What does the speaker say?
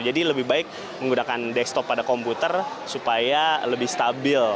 jadi lebih baik menggunakan desktop pada komputer supaya lebih stabil